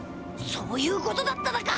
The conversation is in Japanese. そういうことだっただか！